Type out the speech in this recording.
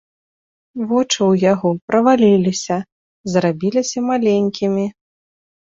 Вочы ў яго праваліліся, зрабіліся маленькімі.